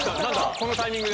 このタイミングで。